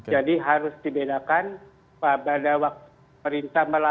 jadi harus dibedakan pada waktu perintah memperkenalkan